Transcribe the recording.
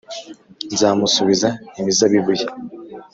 Nzamusubiza imizabibu ye,